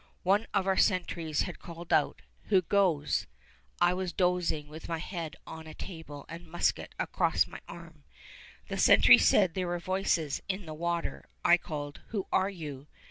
One of our sentries had called out, "Who goes?" I was dozing with my head on a table and a musket across my arm. The sentry said there were voices on the water. I called, "Who are you?"